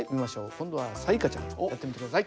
今度は彩加ちゃんやってみて下さい。